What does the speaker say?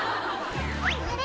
「あれ？